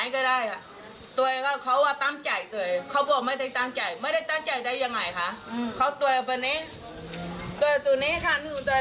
เขาตั้งใจตั้งใจฆ่าเลยคาดเดียวก็อ้อไม่ได้ตั้งใจผักโสภรดใช่มั้ย